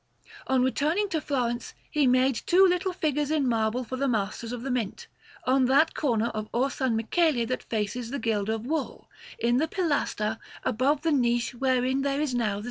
On returning to Florence, he made two little figures in marble for the Masters of the Mint, on that corner of Orsanmichele that faces the Guild of Wool, in the pilaster, above the niche wherein there is now the S.